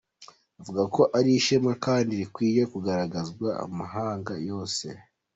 Avuga ko ari ishema kandi rikwiye kugaragarizwa amahanga yose.